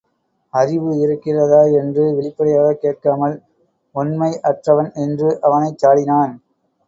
அறிவு இருக்கிறதா என்று வெளிப்படையாகக் கேட்காமல் ஒண்மை அற்றவன் என்று அவனைச் சாடினான்.